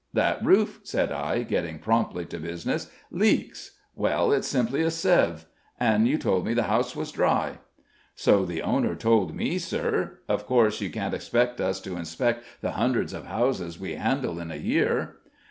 "That roof," said I, getting promptly to business, "leaks well, it's simply a sieve. And you told me the house was dry." "So the owner told me, sir; of course you can't expect us to inspect the hundreds of houses we handle in a year."